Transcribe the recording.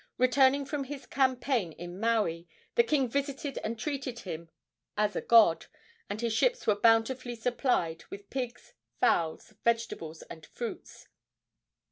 Returning from his campaign in Maui, the king visited and treated him as a god, and his ships were bountifully supplied with pigs, fowls, vegetables and fruits.